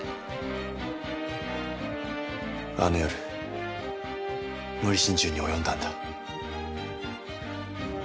あの夜無理心中に及んだんだ。